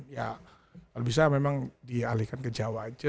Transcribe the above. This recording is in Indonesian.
ya kalau bisa memang dialihkan ke jawa aja